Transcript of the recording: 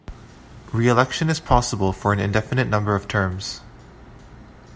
Re-election is possible for an indefinite number of terms.